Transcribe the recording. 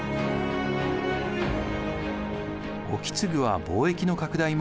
意次は貿易の拡大も図ります。